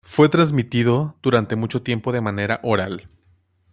Fue transmitido durante mucho tiempo de manera oral.